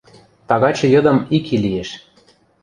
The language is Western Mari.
— Тагачы йыдым ик и лиэш.